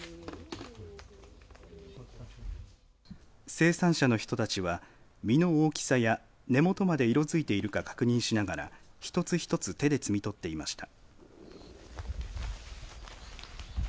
生産者の人たちは実の大きさや根元まで色づいているか確認しながら一つ一つ手で摘み取っていました。